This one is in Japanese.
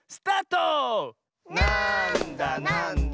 「なんだなんだ」